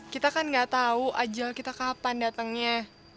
kita kan gak tau ajal kita kapan datengnya